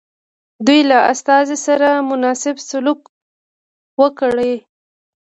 دوی له استازي سره مناسب سلوک وکړي.